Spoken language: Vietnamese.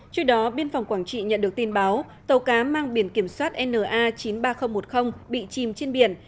trước đó biên phòng quảng trị nhận được tin báo tàu cá mang biển kiểm soát na chín mươi ba nghìn một mươi bị chìm trên biển